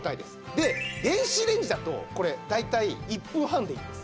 で電子レンジだとこれ大体１分半でいいんです。